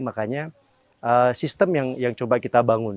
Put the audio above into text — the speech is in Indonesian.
makanya sistem yang coba kita bangun